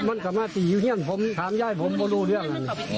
มันพอใจอยู่เฮี่ยนคามย้ายผมก็รู้เรื่อง